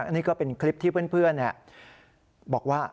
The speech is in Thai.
นี่ก็เป็นคลิปที่เพื่อนบอกว่า